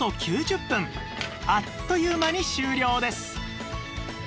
あっという間に終了です！